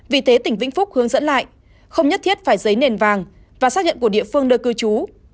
vì thế tỉnh vĩnh phúc hướng dẫn lại không nhất thiết phải giấy nền vàng và xác nhận của địa phương nơi cư trú